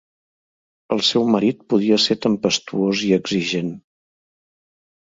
El seu marit podia ser tempestuós i exigent.